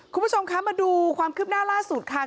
คุณผู้ชมคะมาดูความคืบหน้าล่าสุดค่ะ